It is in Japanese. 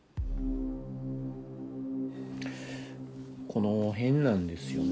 この辺なんですよね。